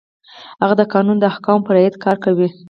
هغه د قانون د احکامو په رعایت کار کوي.